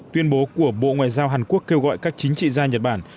tuyên bố của bộ ngoại giao hàn quốc kêu gọi các chính trị gia nhật bản